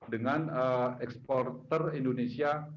dengan exporter indonesia